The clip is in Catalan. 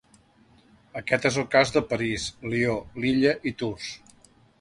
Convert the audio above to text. Aquest és el cas de París, Lió, Lilla i Tours.